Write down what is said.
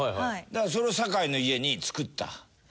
だからそれを坂井の家に造った。